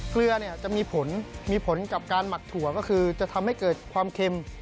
เกลือเนี่ยจะมีผลมีผลกับการหมักถั่วก็คือจะทำให้เกิดความเค็ม